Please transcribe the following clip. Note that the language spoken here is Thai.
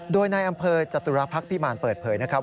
โดยในอำเภอจตุรพักษ์พิมารเปิดเผยนะครับ